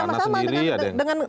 ada yang ke istana sendiri